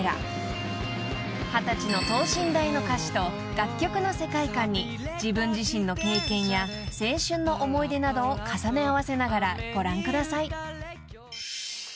［二十歳の等身大の歌詞と楽曲の世界観に自分自身の経験や青春の思い出などを重ね合わせながらご覧ください］